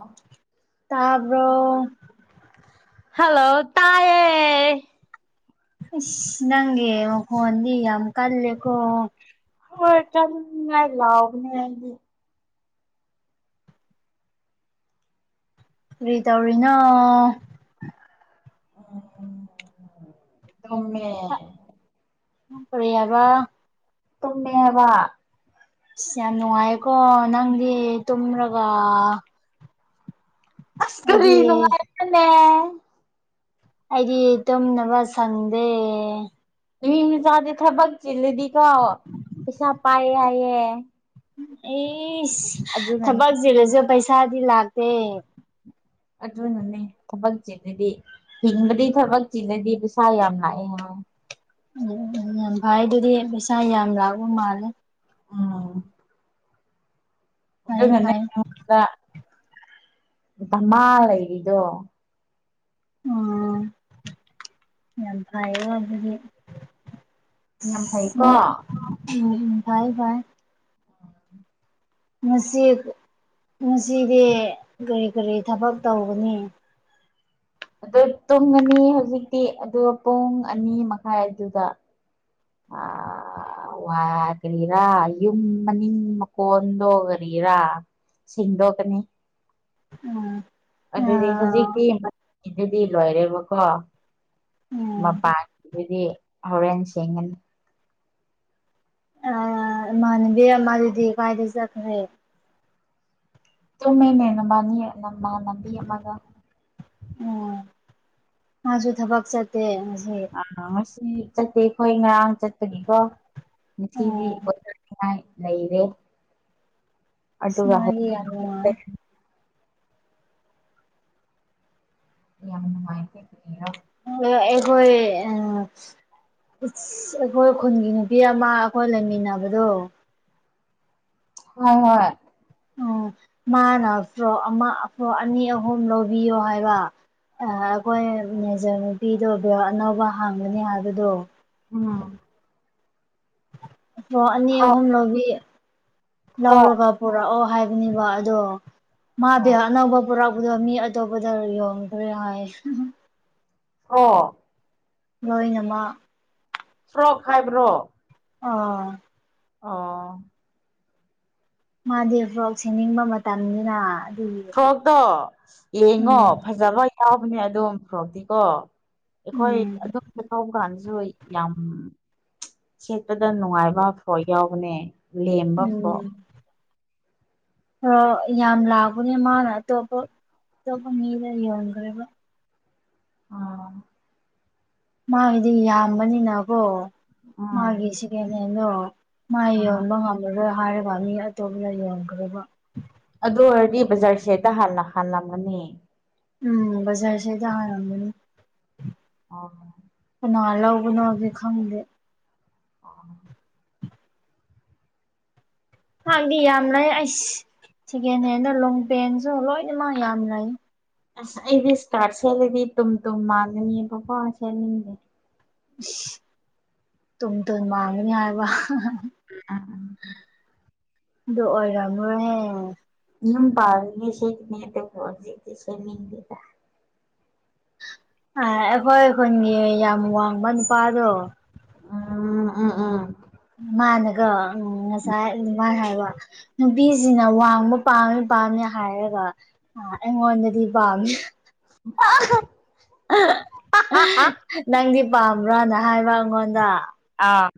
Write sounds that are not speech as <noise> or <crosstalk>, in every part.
ꯑ ꯇꯥꯕ꯭ꯔꯣ ꯍꯜꯂꯣ ꯇꯌꯦ ꯏꯁ ꯅꯪꯒꯦ ꯃꯈꯣꯟꯗꯤ ꯌꯥꯝ ꯀꯜꯂꯦꯀꯣ ꯍꯣꯏ ꯀꯟꯅ ꯂꯥꯎꯕꯅꯦ ꯑꯩꯗꯤ ꯀꯔꯤ ꯇꯧꯔꯤꯅꯣ <inaudible> ꯇꯨꯝꯃꯦ ꯅꯪ ꯀꯔꯤ ꯍꯥꯏꯕ ꯇꯨꯃꯦ ꯍꯥꯏꯕ ꯏꯁ ꯌꯥꯝ ꯅꯨꯡꯉꯥꯏꯌꯦꯀꯣ ꯅꯪꯗꯤ ꯇꯨꯝꯔꯒ ꯑꯁ ꯀꯔꯤ ꯑꯩꯗꯤ ꯅꯨꯡꯉꯥꯏꯕꯅꯦ ꯑꯩꯗꯤ ꯇꯨꯝꯅꯕ ꯁꯪꯗꯦ ꯃꯤ ꯃꯆꯥꯗꯤ ꯊꯕꯛ ꯆꯤꯜꯂꯗꯤꯀꯣ ꯄꯩꯁꯥ ꯄꯥꯏꯌꯦ ꯍꯥꯏꯌꯦ ꯑꯦꯁ ꯑꯗꯨꯅꯅꯦ ꯊꯕꯛ ꯆꯤꯜꯂꯁꯨ ꯄꯩꯁꯥꯗꯤ ꯂꯥꯛꯇꯦ ꯑꯗꯨꯅꯅꯦ ꯊꯕꯛ ꯆꯤꯜꯂꯗꯤ ꯍꯤꯡꯕꯗꯤ ꯊꯕꯛ ꯆꯤꯜꯂꯗꯤ ꯄꯩꯁꯥ ꯌꯥꯝ ꯂꯥꯛꯑꯦ ꯍꯥꯏ ꯎ ꯎꯝ ꯌꯥꯝ ꯚꯥꯏ ꯑꯗꯨꯗꯤ ꯄꯩꯁꯥ ꯌꯥꯝ ꯂꯥꯛꯕ ꯃꯥꯜꯂꯦ ꯎꯥ ꯐꯩ ꯐꯩ ꯑꯗꯨꯅꯅꯦꯉꯣꯟꯗ ꯃꯃꯥ ꯂꯩꯔꯤꯗꯣ ꯎꯝ ꯌꯥꯝ ꯐꯥꯏꯌꯦ ꯑꯗꯨꯗꯤ ꯌꯥꯝ ꯐꯩꯀꯣ ꯑ ꯎꯝ ꯏ ꯏ ꯉ ꯉꯁꯤꯗꯤ ꯀꯔꯤ ꯀꯔꯤ ꯊꯕꯛ ꯇꯧꯕꯅꯤ ꯑꯗꯨ ꯇꯨꯝꯉꯅꯤ ꯍꯧꯖꯤꯛꯇꯤ ꯑꯗꯨ ꯄꯨꯡ ꯑꯅꯤ ꯃꯈꯥꯏꯗꯨꯗ <unintelligible> ꯑꯋꯥꯔꯤꯔꯥ ꯌꯃ ꯅꯤꯡꯃ ꯀꯗꯒꯔꯤꯔꯥ ꯁꯤꯦꯡꯗꯣꯛꯀꯅꯤ ꯎꯝ ꯑꯗꯨꯗꯤ ꯍꯧꯖꯤꯛꯇꯤꯗꯨꯗꯤ ꯂꯣꯏꯔꯦꯕꯀꯣ ꯎꯝ ꯃꯄꯥꯥꯟꯗꯤ ꯍꯣꯔꯦꯟ ꯁꯦꯡꯒꯅꯤ ꯃꯥꯅꯦꯕꯦꯝ ꯃꯥꯔꯤꯗꯤ ꯀꯥꯏꯗ ꯆꯠꯈ꯭ꯔꯦ ꯇꯨꯝꯃꯦꯅꯦ ꯅꯕꯥꯅꯤ ꯅꯃ ꯂꯝꯕꯤ ꯑꯃꯒ ꯑꯣ ꯃꯥꯁꯨ ꯊꯕꯛ ꯆꯠꯇꯦ ꯍꯧ ꯑ ꯉꯁꯤ ꯆꯠꯇꯦ ꯑꯩꯈꯣꯏ ꯉꯔꯥꯡ ꯆꯠꯄꯒꯤꯀꯣ ꯎꯝ ꯉꯁꯤꯗꯤꯊꯅꯤꯉꯥꯏ ꯂꯩꯅꯦ ꯁꯃꯒꯤ ꯌꯥꯔ ꯍꯌꯦꯡ ꯌꯥꯝꯟꯅ ꯃꯥꯏꯦꯔꯣ ꯑ ꯑꯩꯈꯣꯣꯏ ꯑ ꯁ ꯑꯩꯈꯣꯏ ꯈꯨꯟꯒꯤ ꯅꯨꯄꯤ ꯑꯃ ꯑꯩꯈꯣꯏ ꯂꯩꯃꯤꯟꯅꯕꯗꯣ ꯍ ꯍ ꯎꯝ ꯃꯥꯅ ꯐ ꯄ ꯑꯅꯤ ꯑꯍꯨꯝ ꯂꯧꯕꯤꯌꯣ ꯍꯥꯏꯕ ꯑꯩꯈꯣꯏ ꯃꯦꯖꯔ ꯅꯨꯄꯤꯗꯣ ꯕꯣꯔ ꯑꯅꯧꯕ ꯍꯥꯡꯒꯅꯤ ꯍꯥꯏꯕꯗꯣ ꯎꯝ ꯑꯣ ꯑꯅꯤ ꯑꯍꯨꯝ ꯂꯕꯤ ꯂꯧꯔꯒ ꯄꯨꯔꯛꯑꯣ ꯍꯥꯏꯕꯅꯦꯕ ꯑꯗꯣ ꯃꯥꯗꯤ ꯑꯅꯧꯕ ꯄꯨꯔꯛꯄꯗꯣ ꯃꯤ ꯑꯇꯣꯞꯄꯗ ꯌꯣꯟꯈ꯭ꯔꯦ ꯍꯥꯏ ꯑꯣ ꯂꯣꯏꯅꯃꯛ ꯁ꯭ꯔꯣ ꯈꯥꯏꯕ꯭ꯔꯣ ꯑꯣꯥ ꯑꯣ ꯃꯥꯗꯤꯦ ꯐ꯭ꯂꯣꯛ ꯁꯦꯝꯅꯤꯡꯕ ꯃꯇꯝꯅꯤꯅ ꯑꯗꯨꯒꯤ ꯐꯣꯔꯣꯛꯇꯣ ꯌꯦꯡꯉꯣ ꯎꯝ ꯐꯖ ꯂꯣꯏ ꯌꯥꯎꯕꯅꯦ ꯑꯗꯨꯝ ꯐꯣꯔꯣꯛꯇꯤꯀꯣ ꯑꯩꯈꯣꯏ ꯎꯝ ꯑꯗꯨꯣꯝꯗ ꯇꯧꯕ ꯀꯥꯟꯗꯁꯨ ꯌꯥꯝ ꯁꯦꯠꯄꯗ ꯅꯨꯡꯉꯥꯏꯕ ꯐꯥꯎ ꯌꯥꯎꯕꯅꯦ ꯂꯦꯝꯕ ꯐꯥꯎ ꯍ ꯌꯥꯝ ꯂꯥꯛꯕꯅꯦ ꯃꯥꯅ ꯑꯇꯣꯞꯄ ꯑꯇꯣꯞꯄ ꯃꯤꯗ ꯌꯣꯟꯈ꯭ꯔꯦꯕ ꯑꯥ ꯃꯥꯒꯤꯗꯤ ꯌꯥꯝꯕꯅꯤꯅꯀꯣ ꯎꯝ ꯃꯥꯒꯤ ꯁꯦꯀꯦꯟ ꯍꯦꯟꯗꯣ ꯃꯥ ꯌꯣꯟꯕ ꯉꯝꯃꯔꯣꯏ ꯍꯥꯏꯔꯤꯕ ꯃꯤ ꯑꯇꯣꯞꯄꯅ ꯌꯣꯟꯈ꯭ꯔꯕ ꯑꯗꯨ ꯑꯣꯏꯔꯗꯤ ꯕꯖꯥꯔꯁꯤꯦ ꯍꯗ ꯍꯜꯅ ꯍꯥꯜꯂꯝꯒꯅꯤ ꯎꯝ ꯖꯔꯁꯤꯗ ꯍꯥꯏꯔ ꯋꯥꯒ ꯑꯣ ꯀꯅꯥ ꯂꯧꯒꯅꯣꯒꯦ ꯈꯪꯗꯦ ꯑꯣ ꯍꯥꯡꯗꯤ ꯌꯥꯝ ꯂꯩ ꯑꯩ ꯁꯦꯀꯦꯟ ꯍꯦꯟꯗ ꯂꯣꯡ ꯄꯦꯟꯁꯨ ꯂꯣꯏꯅꯃꯛ ꯌꯥꯝ ꯂꯩ ꯑꯁ ꯑꯩꯗꯤ ꯏꯁꯇꯥꯔ ꯆꯦꯠꯂꯗꯤ ꯇꯨꯝ ꯇꯨꯝ ꯃꯥꯟꯂꯅꯤ ꯕꯕꯥ ꯆꯅꯤꯡꯗꯦ ꯇꯨꯝ ꯇ ꯃꯥꯒꯅꯤ ꯍꯥꯏꯕ ꯎꯝ ꯎꯝ ꯗ ꯑꯣꯏꯔꯃꯍꯦ ꯌ ꯄ ꯁꯤꯦꯅꯦ ꯁꯃꯤꯗ <unintelligible> ꯑ ꯑꯩꯈꯣꯏ ꯈꯨꯟꯒꯤ ꯌꯥꯝ ꯋꯥꯡꯕ ꯅꯨꯄꯥꯗꯣ ꯎꯝ ꯎꯝ ꯎꯝ ꯃꯥꯅꯒ ꯎꯝ ꯉꯁꯥꯏ ꯃꯥ ꯍꯥꯏꯕ ꯅꯨꯄꯤꯖꯤꯡꯅ ꯋꯥꯡꯕ ꯄꯥꯝꯃꯦ ꯄꯥꯝꯃꯦ ꯍꯥꯏꯔꯒ ꯑ ꯑꯩꯉꫭꯟꯗꯗꯤ ꯄꯥꯝꯗꯦ <unintelligible> ꯅꯪꯗꯤ ꯄꯥꯝꯕ꯭ꯔꯥꯅ ꯍꯥꯏꯕ ꯑꯩꯉꯣꯟꯗ ꯑꯥ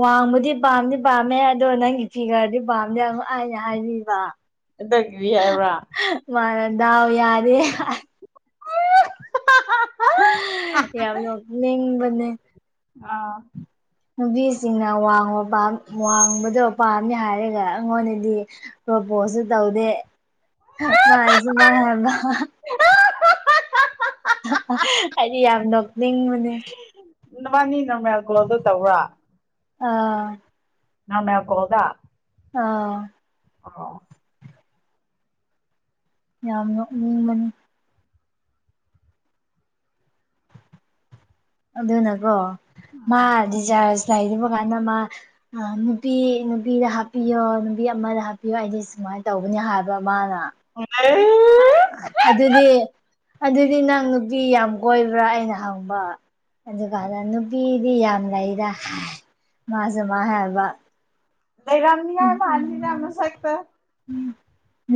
ꯋꯥꯡꯕꯗꯤ ꯄꯥꯝꯗꯤ ꯄꯥꯝꯃꯦ ꯑꯗꯣ ꯅꯪꯒꯤ ꯐꯤꯒꯔꯗꯤ ꯄꯥꯝꯗꯦ ꯑꯃ ꯑꯩꯅ ꯍꯥꯏꯖꯤꯟꯕ ꯑꯗꯨ ꯀꯔꯤ ꯍꯥꯏꯕꯔ ꯃꯥꯅ ꯗꯥꯎ ꯌꯥꯗꯦ ꯍꯥꯏ ꯌꯥꯝ ꯅꫭꯛꯅꯤꯡꯕꯅꯦ ꯑꯥ ꯅꯨꯄꯤꯁꯤꯡꯅ ꯋꯥꯡꯕ ꯄꯥꯝ ꯋꯥꯡꯕꯗꯣ ꯄꯥꯝꯃꯦ ꯍꯥꯏꯔꯒ ꯑꯩꯉꯣꯟꯗꯗꯤ ꯄ꯭ꯔꯣꯄꯣꯁꯁꯨ ꯇꯧꯗꯦ ꯃꯥꯅ ꯁꯨꯃꯥꯟ ꯍꯥꯏꯕ ꯍꯥꯏꯗꯤ ꯌꯥꯝ ꯅꯣꯛꯅꯤꯡꯕꯅꯦ ꯅꯕꯥꯏꯅꯤ ꯅꫭꯔꯃꫭꯜ ꯀꫭꯜꯗ ꯇꯧꯕꯔꯥ ꯑꯥ ꯅꫭꯔꯃꯦꯜ ꯀꫭꯜꯗ ꯑꯥ ꯑꫭ ꯌꯥꯝ ꯅꫭꯛꯅꯤꯡꯕꯅꯦ ꯑꯗꯨꯅꯀꯣ ꯃꯥ ꯗꯤꯆꯥꯥꯔꯖ ꯂꯩꯕ ꯀꯥꯟꯗ ꯃꯥ ꯑ ꯅꯨꯄꯤ ꯅꯨꯄꯤꯗ ꯍꯥꯞꯄꯤꯌꯣ ꯅꯨꯄꯤ ꯑꯃꯗ ꯍꯥꯞꯄꯤꯌꯣ ꯑꯩꯗꯤ ꯁꯨꯃꯥꯏꯅ ꯇꯧꯕꯅꯤ ꯍꯥꯏꯕ ꯃꯥꯅ ꯑꯣ <unintelligible> ꯑꯗꯨꯗꯤ ꯑꯗꯨꯗꯤ ꯅꯪ ꯅꯨꯄꯤ ꯌꯥꯝ ꯀꯣꯏꯕ꯭ꯔꯥ ꯑꯩꯅ ꯍꯪꯕ ꯑꯗꯨꯀꯥꯟꯗ ꯅꯨꯄꯤꯗꯤ ꯌꯥꯝ ꯂꯩꯗ ꯃꯥꯁꯨꯃꯥꯥꯏ ꯍꯥꯏꯕ ꯂꯩꯔꯝꯃꯤ ꯌꯥꯝ ꯃꯟꯂꯤꯗꯥ ꯃꯁꯛꯇꯣ ꯎꯝ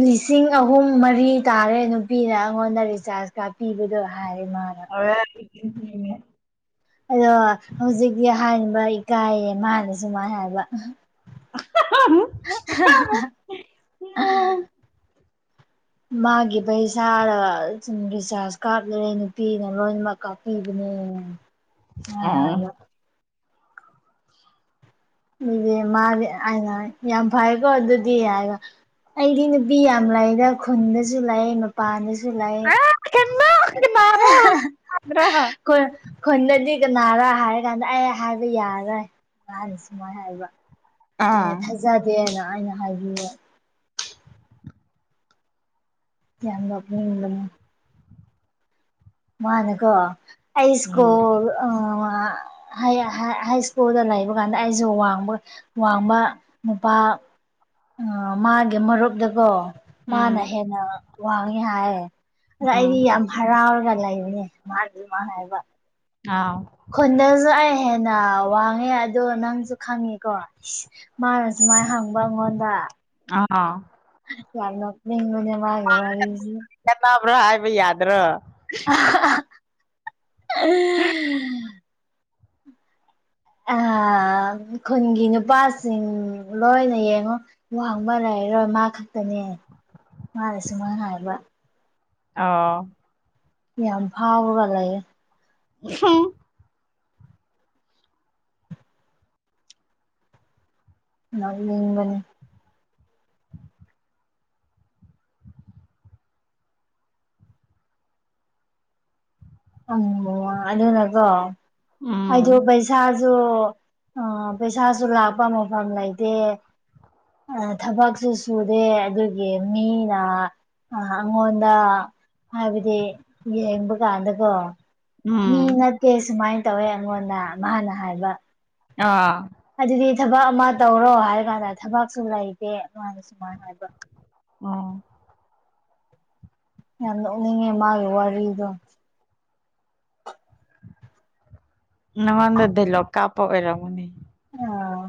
ꯂꯤꯁꯤꯡ ꯑꯍꯨꯝ ꯃꯔꯤ ꯇꯥꯔꯦ ꯅꯨꯄꯤꯅ ꯑꯩꯉꯣꯟꯗ ꯔꯤꯆꯥꯔꯖ ꯀꯥꯞꯄꯤꯕꯗꯣ ꯍꯥꯏ ꯃꯥꯅ ꯑ <unintelligible> ꯑꯗꯣ ꯍꯧꯖꯤꯛꯀꯤ ꯑꯍꯥꯟꯕ ꯏꯀꯥꯏꯌꯦ ꯃꯥꯅꯁꯨꯃꯥꯏ ꯍꯥꯏꯕ <unintelligible> ꯃꯥꯒꯤ ꯄꯩꯁꯥꯗ ꯁꯨꯝ ꯔꯤꯆꯥꯔꯖ ꯀꯥꯞꯂꯨꯔꯦ ꯅꯨꯄꯤꯅ ꯂꯣꯏꯅꯃꯛ ꯀꯥꯞꯄꯤꯕꯅꯦ ꯃꯥꯅ ꯍꯥꯏꯕ ꯑꯗꯨꯗꯤ ꯃꯥꯗꯤ ꯑꯩꯅ ꯌꯥꯝ ꯐꯩꯀꯣ ꯑꯗꯨꯗꯤ ꯍꯥꯏꯕ ꯑꯩꯗꯤ ꯅꯨꯄꯤ ꯌꯥꯝ ꯂꯩꯗ ꯈꯨꯟꯗꯁꯨ ꯂꯩ ꯄꯅꯤ ꯁꯨꯂꯩ ꯈꫭꯏ ꯈꯨꯟꯗꯗꯤ ꯀꯅꯥꯔ ꯍꯥꯏꯔ ꯀꯥꯟꯗ ꯑꯩ ꯍꯥꯏꯕ ꯌꯥꯔꯔꯣꯏ ꯅꯍꯥꯟꯅ ꯁꯨꯃꯥꯏ ꯍꯥꯏꯕ ꯑꯩꯅ ꯑꯥ ꯊꯥꯖꯗꯦꯅ ꯑꯩꯅ ꯍꯥꯏꯕꯤ ꯌꯥꯝ ꯅꫭꯛꯅꯤꯡꯕꯅꯦ ꯃꯥꯅꯀꯣ ꯑꯩ ꯎꯝ ꯏꯁ꯭ꯀꯨꯜ ꯑ ꯍꯥꯏ ꯍꯥꯏ ꯏꯁ꯭ꯀꯨꯜꯗ ꯂꯩꯕ ꯀꯥꯟꯗ ꯑꯩꯁꯨ ꯋꯥꯡꯕ ꯋꯥꯡꯕ ꯅꯨꯄꯥ ꯑꯥ ꯃꯥꯒꯤ ꯃꯔꯨꯞꯇꯀꯣ ꯃꯥꯅ ꯎꯝ ꯍꯦꯟꯅ ꯋꯥꯡꯉꯤ ꯍꯥꯏ ꯑꯗ ꯎꯝ ꯑꯩꯗꯤ ꯌꯥꯝ ꯍꯔꯥꯎꯔꯒ ꯂꯩꯕꯅꯦ ꯃꯥꯅ ꯑꯗꯨꯃꯥꯏ ꯍꯥꯏꯕ ꯑꯥꯎ ꯈꯨꯟꯗꯁꯨ ꯑꯩ ꯍꯦꯟꯅ ꯋꯥꯡꯉꯦ ꯑꯗꯨ ꯅꯪꯁꯨ ꯈꯪꯉꯦꯀꯣ ꯃꯥꯅ ꯁꯨꯃꯥꯏ ꯍꯪꯕ ꯑꯩꯉꯣꯟꯗ ꯑꯥ ꯌꯥꯝ ꯅꫭꯛꯅꯤꯡꯕꯅꯦ ꯃꯥ ꯀꯅꯥꯕ ꯍꯥꯏꯕ ꯌꯥꯗ꯭ꯔꯣ <unintelligible> ꯈꯨꯟꯒꯤ ꯅꯨꯄꯥꯁꯤꯡ ꯂꯣꯏꯅ ꯌꯦꯡꯉꯣ ꯋꯥꯡꯕ ꯂꯩꯔꯔꯣꯏ ꯃꯥ ꯈꯛꯇꯅꯦ ꯃꯥꯅ ꯁꯨꯃꯥꯢ ꯍꯥꯏꯕ ꯑꯣ ꯌꯥꯝ ꯐꯥꯎꯔꯒ ꯂꯩꯌꯦ ꯍꯨꯝ ꯅꯣꯛꯅꯤꯡꯕꯅꯤ ꯎꯝ ꯑꯗꯨꯅꯀꯣ ꯑꯩꯗꯣ ꯎꯝ ꯄꯩꯁꯥꯁꯨ ꯑ ꯄꯩꯁꯥꯁꯨ ꯂꯥꯛꯄ ꯃꯐꯝ ꯂꯩꯇꯦ ꯊꯕꯛꯁꯨ ꯁꯨꯗꯦ ꯑꯗꯨꯒꯤ ꯃꯤꯅ ꯑ ꯑꯩꯉꯣꯟꯗ ꯍꯥꯏꯕꯗꯤ ꯌꯦꯡꯕ ꯀꯥꯟꯗ ꯃꯤ ꯎꯝ ꯅꯠꯇꯦ ꯁꯨꯃꯥꯏꯅ ꯇꯧꯋꯦ ꯑꯩꯉꯣꯟꯗ ꯃꯥꯅ ꯍꯥꯏꯕ ꯑꯥ ꯑꯗꯨꯗꯤ ꯊꯕꯛ ꯑꯃ ꯇꯧꯔꯣ ꯍꯥꯏꯔ ꯀꯥꯟꯗ ꯊꯕꯛꯁꯨ ꯂꯩꯇꯦ ꯃꯥꯅ ꯁꯨꯃꯥꯏꯅ ꯍꯥꯏꯕ ꯑꯣ ꯌꯥꯝ ꯅꯣꯛꯅꯤꯡꯉꯦ ꯃꯥꯒꯤ ꯋꯥꯔꯤꯗꯣ ꯅꯪꯉꯣꯟꯗ ꯗꯤꯂꯣꯞ ꯀꯥꯞꯄ ꯑꯣꯏꯔꯝꯒꯅꯤ ꯑꯥ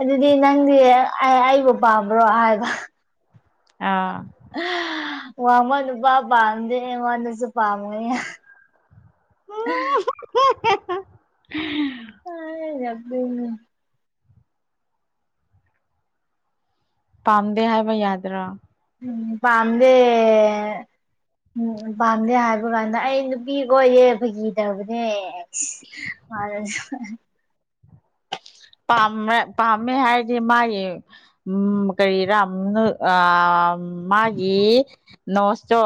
ꯑꯗꯨꯗꯤ ꯅꯪꯗꯤ ꯑꯩꯕꯨ ꯄꯥꯝꯕ꯭ꯔꯣ ꯍꯥꯏꯕ ꯑꯥ ꯋꯥꯡꯕ ꯅꯨꯄꯥ ꯄꯥꯝꯗꯦ ꯑꯩꯉꯣꯟꯗꯁꯨ ꯄꯥꯝꯃꯣꯢ <unintelligible> <unintelligible> <unintelligible> ꯑ ꯌꯥꯗꯣꯢꯅꯤ ꯄꯥꯝꯗꯦ ꯍꯥꯏꯕ ꯌꯥꯗ꯭ꯔꯥ ꯎꯝ ꯄꯥꯝꯗꯦ ꯎꯝ ꯄꯥꯝꯗꯦ ꯍꯥꯏꯕ ꯀꯥꯟꯗ ꯑꯩ ꯅꯨꯄꯤ ꯀꯣꯢꯌꯦ ꯐꯥꯒꯤ ꯇꯧꯕꯅꯦ <unintelligible> ꯃꯥꯅꯁꯨ ꯄꯥꯝꯃꯦ ꯄꯥꯝꯃꯦ ꯍꯥꯏꯔꯗꯤ ꯃꯥꯒꯤ ꯎꯝ ꯀꯥꯔꯤꯔ ꯅꯣꯢ ꯑꯥ ꯃꯥꯒꯤ ꯅꯣꯁꯇꯣ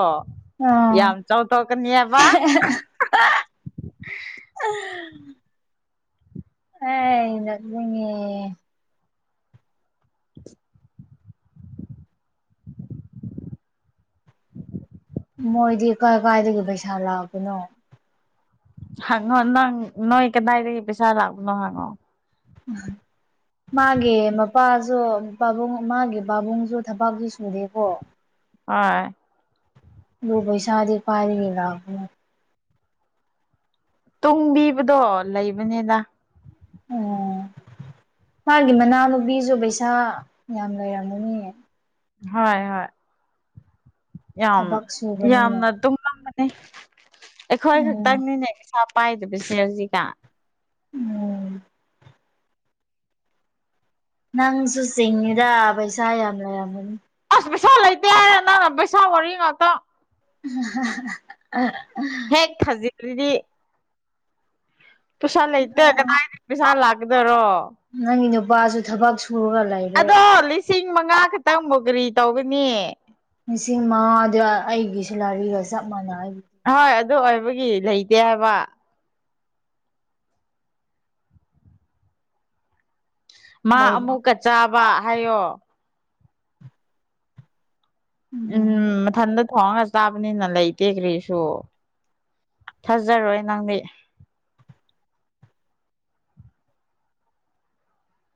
ꯑꯥ ꯌꯥꯝ ꯆꯥꯎꯊꯣꯛꯀꯅꯦꯕ ꯍꯣꯢ ꯅꯣꯛꯅꯤꯡꯉꯦ ꯃꯣꯏꯗꯤ ꯀꯥꯏ ꯀꯥꯏꯗꯒꯤ ꯄꯩꯁꯥ ꯂꯥꯛꯄꯅꯣ ꯍꯪꯉꯣ ꯅꯪ ꯅꯣꯏ ꯀꯗꯥꯥꯏꯗꯒꯤ ꯄꯩꯁꯥ ꯂꯥꯛꯄꯅꯣ ꯍꯪꯉꯣ <unintelligible> ꯃꯥꯒꯤ ꯃꯄꯥꯁꯨ ꯄꯥꯕꯨꯡ ꯃꯥꯒꯤ ꯄꯥꯕꯨꯡꯁꯨ ꯊꯕꯛꯁꯨ ꯁꯨꯗꯦ ꯍꯣꯏ ꯑꯗꯨ ꯄꯩꯁꯥꯗꯤ ꯀꯥꯢꯗꯒꯤ ꯂꯥꯛꯄꯅꯣ ꯇꯨꯡꯕꯤꯕꯗꯣ ꯂꯩꯕꯅꯤꯗ ꯑꯣ ꯃꯥꯒꯤ ꯃꯅꯥꯎ ꯅꯨꯄꯤꯁꯨ ꯄꯩꯁꯥ ꯌꯥꯝ ꯂꯩꯔꯝꯃꯅꯦ ꯍꯣꯏ ꯍꯣꯏ ꯌꯥꯝ ꯊꯕꯛ ꯁꯨꯕꯅꯤꯅ ꯌꯥꯝꯅ ꯇꯨꯡ ꯑꯩꯈꯣꯏ ꯎꯝ ꯈꯛꯇꯪꯅꯤꯅꯦ ꯄꯩꯁꯥ ꯄꯥꯏꯗꯕꯁꯦ ꯍꯧꯖꯤꯛꯇ ꯎꯝ ꯅꯪꯁꯨ ꯆꯤꯡꯉꯤꯗ ꯄꯩꯁꯥ ꯌꯥꯝ ꯂꯩꯔꯝꯒꯅꯤ ꯑꯁ ꯄꯩꯁꯥ ꯂꯩꯇꯦ ꯍꯥꯏꯔ ꯅꯪꯅ ꯄꯩꯁꯥ ꯋꯥꯔꯤ ꯉꯥꯛꯇ <unintelligible> ꯦꯛ ꯊꯖꯤꯗꯤ ꯄꯩꯁꯥ ꯂꯩꯇꯦ ꯀꯗꯥꯏꯗꯒꯤ ꯄꯩꯁꯥ ꯂꯥꯛꯀꯗꯣꯏꯔꯣ ꯅꯪꯒꯤ ꯅꯨꯄꯥꯁꯨ ꯊꯕꯛ ꯁꯨꯔꯒ ꯂꯩ ꯑꯗꯣ ꯂꯤꯁꯤꯡ ꯃꯉꯥ ꯈꯛꯇꯪ ꯃꯣꯒꯔꯤ ꯇꯧꯒꯅꯤ ꯂꯤꯁꯤꯡ ꯃꯉꯥꯗꯨ ꯑꯩꯒꯤ ꯁꯦꯂꯥꯔꯤꯒ ꯆꯞ ꯃꯥꯟꯅꯩ ꯍꯥꯏꯕ ꯍꯣꯏ ꯑꯗꯨ ꯑꯣꯏꯕꯒꯤ ꯂꯩꯇꯦ ꯍꯥꯏꯕ ꯃꯥ ꯂꯩꯕ ꯑꯃꯨꯛꯀ ꯆꯥꯕ ꯍꯥꯏꯌꯣ ꯎꯝ ꯃꯊꯟꯇ ꯊꯣꯡꯉꯒ ꯆꯥꯕꯅꯤꯅ ꯂꯩꯇꯦ ꯀ꯭ꯔꯔꯤꯁꯨ ꯊꯥꯖꯔꯣꯏ ꯅꯪ ꯃꯤꯠ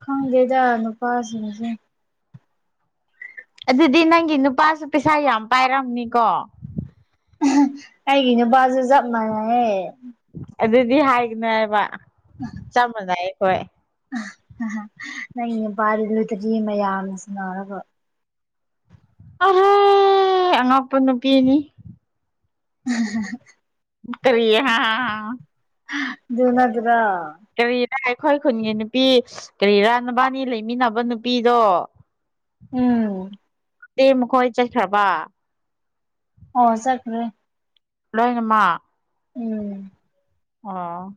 ꯈꯥꯡꯒꯦ ꯌꯥꯖꯔꯅ ꯄꯥꯁꯅꯁꯦ ꯑꯗꯨꯗꯤ ꯅꯪꯒꯤ ꯅꯨꯄꯥꯁꯨ ꯄꯩꯁꯥ ꯌꯥꯝ ꯄꯥꯏꯔꯝꯅꯤꯀꯣ ꯑꯩꯒꯤ ꯅꯨꯄꯥꯕꯥꯁꯨꯦ ꯆꯞ ꯃꯥꯟꯅꯩꯍꯦ ꯑꯗꯨꯗꯤ ꯍꯥꯏꯒꯅ ꯍꯥꯏꯕ ꯆꯞ ꯃꯥꯟꯅꯩ ꯑꯩꯈꯣꯏ ꯅꯪ ꯄꯥꯔꯤꯂꯨꯗꯔꯤ ꯃꯌꯥꯝꯅꯁꯨ ꯔꯕ ꯑꯍꯣꯏ ꯑꯉꯛꯄ ꯅꯨꯄꯤꯅꯤ ꯎꯝ ꯍ ꯇꯔꯤꯌꯦꯦ ꯍꯥ ꯖꯤꯅꯒ꯭ꯔꯥ ꯀꯔꯤꯔꯥ ꯑꯩꯈꯣꯏ ꯈꯨꯟꯒꯤ ꯅꯨꯄꯤ ꯀꯔꯤꯔꯥ ꯅꯕꯥꯅꯤ ꯂꯩꯃꯤꯟꯅꯕ ꯅꯨꯄꯤꯗꯣ ꯎꯝ ꯑꯦ ꯃꯈꯣꯏ ꯆꯠꯈ꯭ꯔꯕ ꯑꯣ ꯆꯠ꯭ꯔꯦ ꯂꯣꯏꯉꯃ ꯎꯝ ꯑꯣ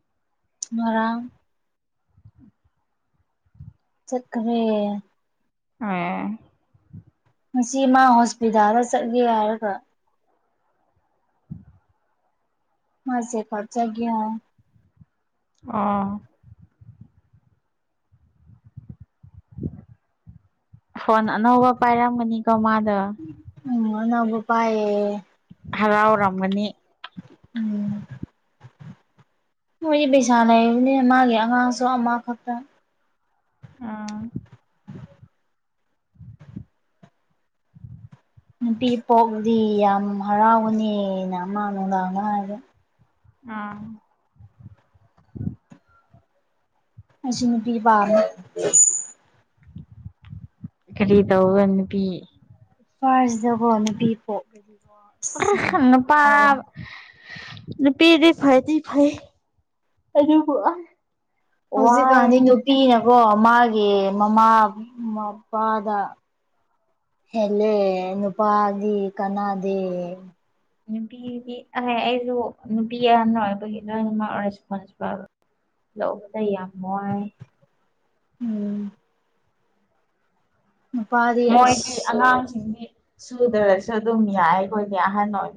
ꯃꯔꯥꯡ ꯆꯠꯈꯃꯦ ꯑ ꯉꯁꯤ ꯃꯥ ꯍꯣꯁꯄꯤꯇꯥꯜꯗ ꯆꯠꯒꯦ ꯍꯥꯏꯔꯒ ꯃꯁꯦ ꯈꯔ ꯆꯒꯦ ꯑꯥ ꯐꯣꯟ ꯑꯅꯧꯕ ꯄꯥꯏꯔꯝꯒꯅꯤꯀꯣ ꯃꯥꯗ ꯎ ꯅꯝꯕ ꯄꯑꯌꯦ ꯍꯔꯥꯎꯔꯝꯒꯅꯤ ꯎꯝ ꯃꯣꯏꯗꯤ ꯄꯩꯁꯥ ꯂꯩꯕꯅꯤꯅ ꯃꯥꯒꯤ ꯑꯉꯥꯡꯁꯨ ꯑꯃꯈꯛꯇ ꯑꯥ ꯅꯨꯄꯤ ꯄꯣꯛꯗꯤ ꯌꯥꯝ ꯍꯔꯥꯎꯕꯅꯦꯅ ꯑꯃ ꯅꯨꯡꯗꯥꯡꯅ ꯍꯥꯏꯔꯦ <unintelligible> ꯉꯁꯤꯅ ꯄꯤꯕ ꯀꯔꯤ ꯇꯧꯕ꯭ꯔ ꯅꯨꯄꯤ ꯐꯥꯔꯁꯗꯒꯣ ꯅꯨꯄꯤ ꯄꯣꯛꯂꯗꯤ <unintelligible> ꯑꯔꯈ ꯅꯨꯄꯥ ꯅꯨꯄꯤꯗꯤ ꯐꯗꯤ ꯐꯩ ꯑꯗꯨꯕꯨ ꯑꯥꯏ ꯍꯧꯖꯤꯛꯀꯥꯟꯗꯤ ꯅꯨꯄꯤꯅꯀꯣ ꯃꯥꯒꯤ ꯃꯃꯥ ꯃꯄꯥꯗ ꯍꯦꯜꯂꯦ ꯅꯨꯄꯥꯗꯤ ꯀꯟꯅꯥꯗꯦ ꯅꯨꯄꯤꯗꯤ ꯑꯦ ꯑꯩꯁꯨ ꯅꯨꯄꯤ ꯑꯍꯟ ꯑꯣꯏꯕꯒꯤ ꯂꯣꯏꯅꯃꯛ ꯑꯋꯔ ꯔꯦꯁꯄꯣꯟꯁꯤꯕꯜ ꯂꯧꯄ ꯌꯥꯝ ꯋꯥꯏ ꯎꯝ ꯅꯨꯄꯥꯗꯤ ꯃꯣꯏꯗꯤ ꯑꯁ ꯑꯉꯥꯡꯁꯤꯡꯗꯤ ꯁꯨꯗ꯭ꯔꯁꯨ ꯑꯗꯨꯝ ꯌꯥꯏ ꯑꯩꯈꯣꯏꯗꯤ ꯑꯍꯟ ꯑꯣꯏ